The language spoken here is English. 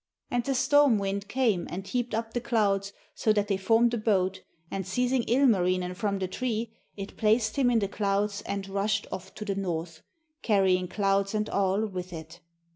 And the storm wind came and heaped up the clouds so that they formed a boat, and seizing Ilmarinen from the tree it placed him in the clouds and rushed off to the north, carrying clouds and all with it.